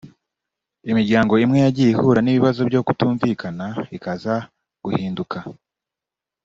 Imiryango imwe yagiye ihura n’ibibazo byo kutumvikana ikaza guhinduka